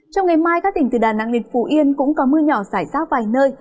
trong ngày mai các tỉnh từ đà nẵng đến phú yên cũng có mưa nhỏ xảy rác vài nơi